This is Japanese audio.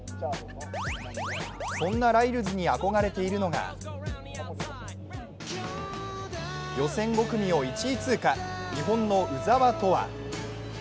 そんなライルズに憧れているのが、予選５組を１位通過、日本の鵜澤飛羽。